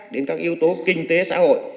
đến các yếu tố kinh tế xã hội